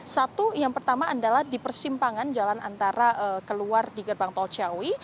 satu yang pertama adalah di persimpangan jalan antara keluar di gerbang tol ciawi